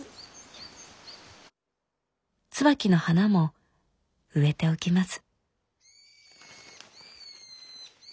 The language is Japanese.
椿の花も植えておきます」。